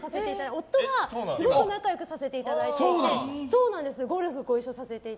夫がすごく仲良くさせていただいていて。